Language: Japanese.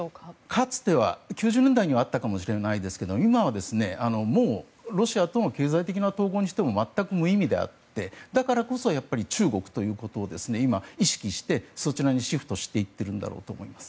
かつて、９０年代にはあったかもしれないですけど今はもうロシアとの経済的な統合にしても全く無意味であってだからこそ、中国ということを今、意識して、そちらにシフトしているんだろうと思います。